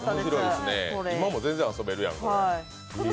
今も全然遊べるやん、これ。